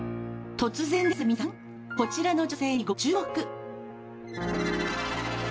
突然ですが皆さんこちらの女性にご注目。